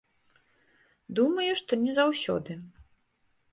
Думаю, што не заўсёды.